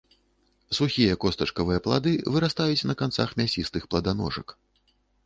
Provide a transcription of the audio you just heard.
Сухія костачкавыя плады вырастаюць на канцах мясістых пладаножак.